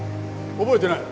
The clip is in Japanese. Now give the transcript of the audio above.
覚えてない？